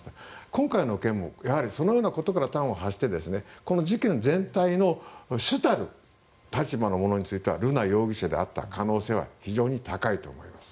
今回の件も、やはりそのようなことから端を発してこの事件全体の主たる立場の者については瑠奈容疑者であった可能性は非常に高いと思います。